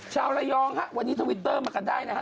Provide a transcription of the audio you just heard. ชาวระยองฮะวันนี้ทวิตเตอร์มากันได้นะฮะ